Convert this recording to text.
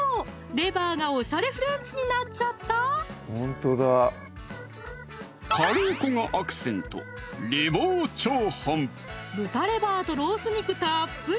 レバーがおしゃれフレンチになっちゃったカレー粉がアクセント豚レバーとロース肉たっぷり！